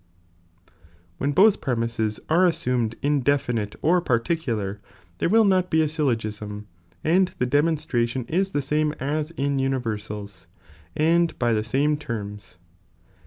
J ^^^■benbothpremisesareassumedindefinile, or particular, there J ^^^HjHtt be ft syllt^ism, and the demonstration is the ^^^■b as in uoiversab,^ and by the same terms.'